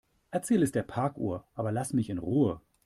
Erzähl es der Parkuhr, aber lass mich in Ruhe.